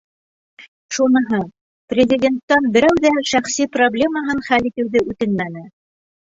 Шуныһы: Президенттан берәү ҙә шәхси проблемаһын хәл итеүҙе үтенмәне.